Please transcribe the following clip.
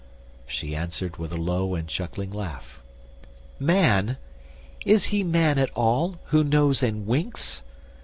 She answered with a low and chuckling laugh: "Man! is he man at all, who knows and winks?